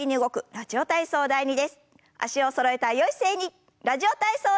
「ラジオ体操第２」。